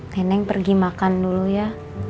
neneng pergi makan dulu ya